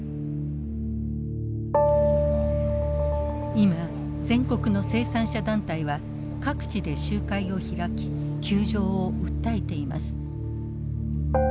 今全国の生産者団体は各地で集会を開き窮状を訴えています。